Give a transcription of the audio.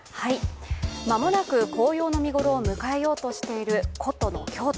間もなく紅葉の見頃を迎えようとしている古都の京都。